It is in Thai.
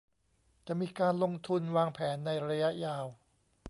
จะมีการลงทุนวางแผนในระยะยาว